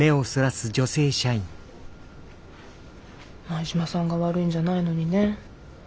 前島さんが悪いんじゃないのにね。